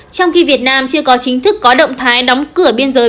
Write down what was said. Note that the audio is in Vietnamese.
trong khi việt nam chưa có chính thức có động thái đóng cửa biên giới